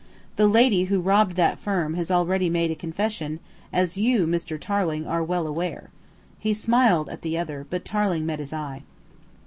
The lady who robbed that firm has already made a confession, as you, Mr. Tarling, are well aware." He smiled at the other, but Tarling met his eye.